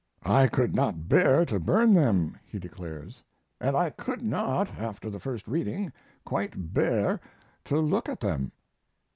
"I could not bear to burn them," he declares, "and I could not, after the first reading, quite bear to look at them."